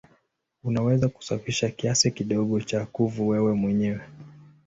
Unaweza kusafisha kiasi kidogo cha kuvu wewe mwenyewe.